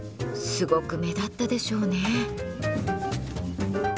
すごく目立ったでしょうね。